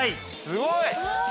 ◆すごい！